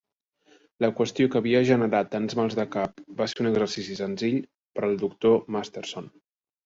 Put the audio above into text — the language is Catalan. La qüestió que havia generat tants mals de cap va ser un exercici senzill per al doctor Masterson.